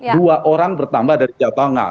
dua orang bertambah dari jawa tengah